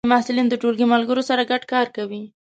ځینې محصلین د ټولګی ملګرو سره ګډ کار کوي.